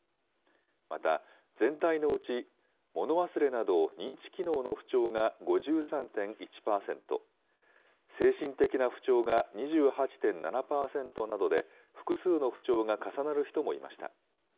また、全体のうち、物忘れなど認知機能の不調が５３．１％、精神的な不調が２８．７％などで、複数の不調が重なる人もいました。